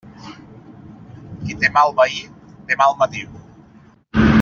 Qui té mal veí, té mal matí.